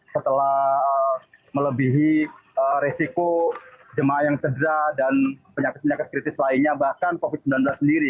setelah melebihi resiko jemaah yang cedera dan penyakit penyakit kritis lainnya bahkan covid sembilan belas sendiri